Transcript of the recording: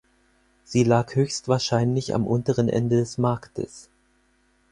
Sie lag höchstwahrscheinlich am unteren Ende des Marktes.